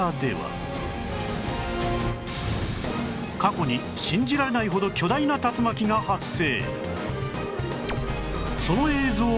過去に信じられないほど巨大な竜巻が発生